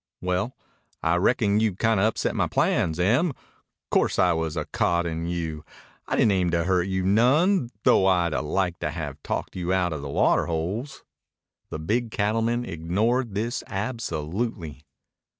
"Well, I reckon you've kinda upset my plans, Em. 'Course I was a coddin' you. I didn't aim to hurt you none, though I'd 'a' liked to have talked you outa the water holes." The big cattleman ignored this absolutely.